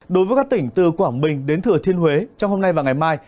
đối với các tỉnh từ quảng bình đến thừa thiên huế trong hôm nay và ngày mai